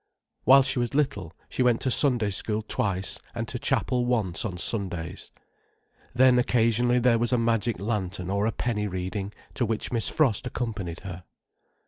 While she was little, she went to Sunday School twice and to Chapel once on Sundays. Then occasionally there was a magic lantern or a penny reading, to which Miss Frost accompanied her.